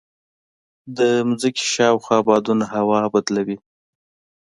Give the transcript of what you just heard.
د ځمکې شاوخوا بادونه هوا بدله وي.